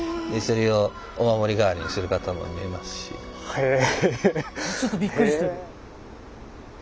へえ。